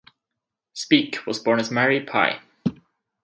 Speke was born as Mary Pye.